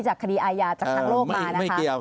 จากคดีอาญาจากทางโลกมานะคะ